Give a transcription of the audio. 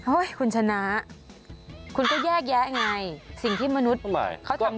โอ้ยคุณชนะคุณก็แยกแยะไงสิ่งที่มนุษย์เค้าทำขึ้น